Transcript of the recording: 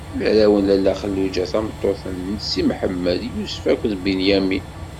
Arraw n Lalla Xelluǧa tameṭṭut n Si Mḥemmed: Yusef akked Binyamin.